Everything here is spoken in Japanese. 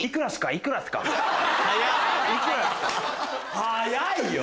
早いよ。